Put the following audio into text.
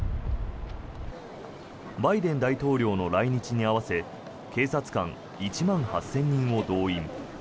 バイデン大統領の来日に合わせ警察官１万８０００人を動員。